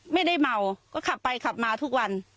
ไม่ได้เมาก็ขับไปขับมาทุกวัน